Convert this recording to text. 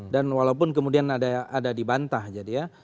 dan walaupun kemudian ada dibantah jadi ya